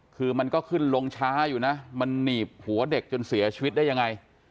คือมันก็ขึ้นลงช้าอยู่นะมันหนีบหัวเด็กจนเสียชีวิตได้ยังไง